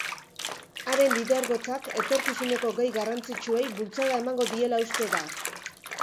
Haren lidergotzak etorkizuneko gai garrantzitsuei bultzada emango diela uste da.